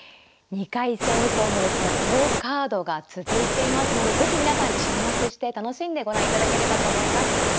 ２回戦以降も好カードが続いていますので是非皆さん注目して楽しんでご覧いただければと思います。